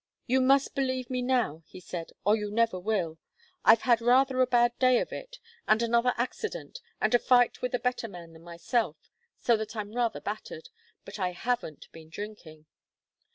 "You must believe me, now," he said, "or you never will. I've had rather a bad day of it, and another accident, and a fight with a better man than myself, so that I'm rather battered. But I haven't been drinking."